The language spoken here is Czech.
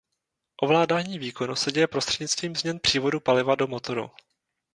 Ovládání výkonu se děje prostřednictvím změn přívodu paliva do motoru.